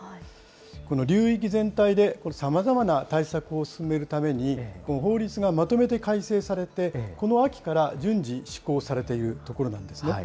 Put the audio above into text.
この流域全体で様々な対策を進めるために、法律がまとめて改正されて、この秋から順次施行されているところなんですね。